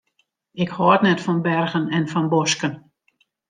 Ik hâld net fan bergen en fan bosken.